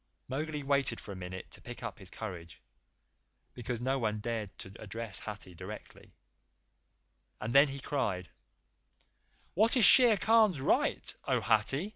Mowgli waited for a minute to pick up his courage, because no one cared to address Hathi directly, and then he cried: "What is Shere Khan's right, O Hathi?"